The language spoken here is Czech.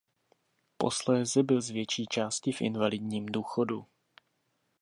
Posléze byl z větší části v invalidním důchodu.